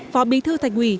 phó bí thư thạch quỷ